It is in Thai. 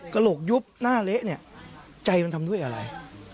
กระโหลกยุบหน้าเละเนี่ยใจมันทำด้วยอะไร